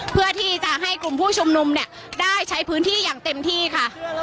เพื่อที่จะให้กลุ่มผู้ชุมนุมเนี่ยได้ใช้พื้นที่อย่างเต็มที่ค่ะ